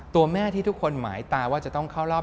ตัวแม่ที่ทุกคนหมายตาว่าจะต้องเข้ารอบ